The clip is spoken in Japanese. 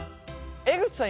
江口さん